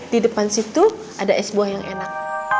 di depan situ ada es buah yang enak